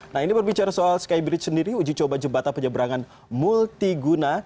nah ini berbicara soal skybridge sendiri uji coba jembatan penyeberangan multiguna